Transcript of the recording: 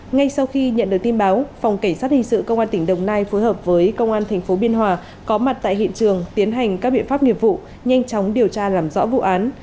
ngay sau khi nhận được tin báo phòng cảnh sát hình sự công an tỉnh đồng nai phối hợp với công an tp biên hòa có mặt tại hiện trường tiến hành các biện pháp nghiệp vụ nhanh chóng điều tra làm rõ vụ án